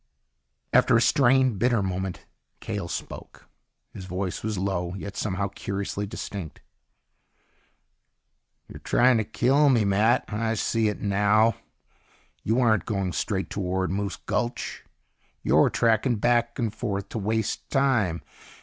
After a strained, bitter moment Cahill spoke. His voice was low, yet somehow curiously distinct. "You're trying to kill me, Matt. I see it now. You aren't going straight toward Moose Gulch. You're tracking back and forth to waste time.